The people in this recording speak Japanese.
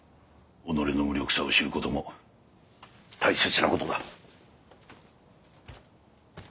己の無力さを知る事も大切な事だ。